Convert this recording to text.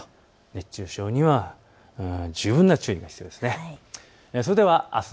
熱中症には十分な注意が必要です。